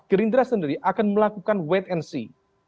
gerindra sendiri akan melakukan wait and see